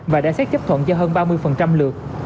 và đang xét chấp thuận cho hơn ba mươi lượt